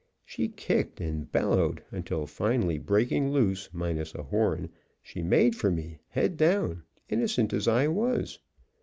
She kicked and bellowed, until, finally breaking loose minus a horn, she made for me head down, innocent as I was.